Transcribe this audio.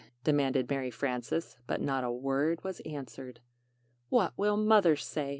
demanded Mary Frances, but not a word was answered. "What will Mother say?"